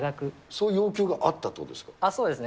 そういう要求があったというあっ、そうですね。